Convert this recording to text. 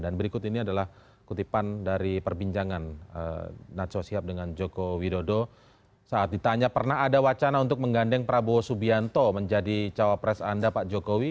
dan berikut ini adalah kutipan dari perbincangan natswa siap dengan jokowi dodo saat ditanya pernah ada wacana untuk menggandeng prabowo subianto menjadi cawapres anda pak jokowi